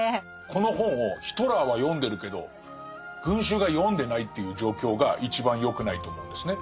この本をヒトラーは読んでるけど群衆が読んでないっていう状況が一番よくないと思うんですね。